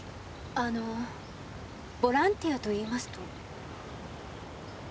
あのボランティアといいますと？